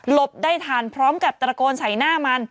ได้ทันพร้อมกับตระโกนใส่หน้ามัน